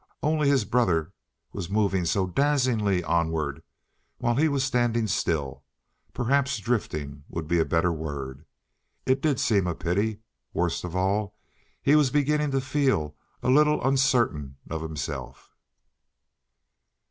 Only his brother was moving so dazzlingly onward, while he was standing still—perhaps "drifting" would be the better word. It did seem a pity; worst of all, he was beginning to feel a little uncertain of himself.